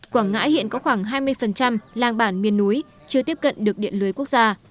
quảng ngãi hiện có khoảng hai mươi làng bản miền núi chưa tiếp cận được điện lưới quốc gia